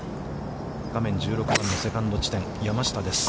画面１６番のセカンド地点、山下です。